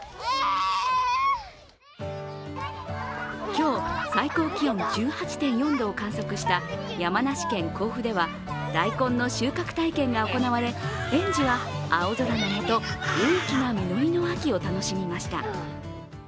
今日、最高気温１８．４度を観測した山梨県甲府では、大根の収穫体験が行われ、園児は青空の下大きな実りの秋を楽しみました。